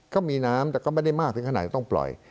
ก็มีน้ำแต่ก็ไม่ได้มากถึงขนาดจะต้องปล่อย